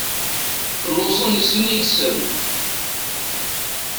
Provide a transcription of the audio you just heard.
Lluẓen i sin yid-sen.